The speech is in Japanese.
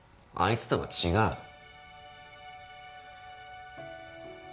あいつとは違う。